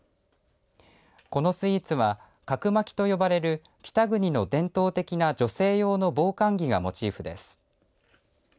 このスイーツは角巻きと呼ばれる北国の伝統的な女性用の防寒着がモチーフです。